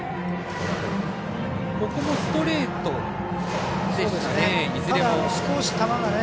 ここもストレートでしたかね。